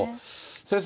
先生